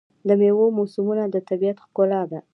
د میوو موسمونه د طبیعت ښکلا ده.